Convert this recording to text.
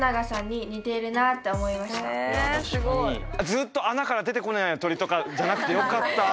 ずっと穴から出てこない鳥とかじゃなくてよかった。